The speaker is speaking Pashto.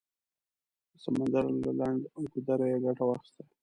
د سمندر له لنډ ګودره یې ګټه واخیسته.